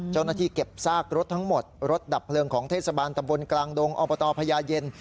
เจ้าหน้าที่เก็บซากรถทั้งหมดรถดับเพลิงของเทศบาลตำบลกลางดงอบตพญาเย็น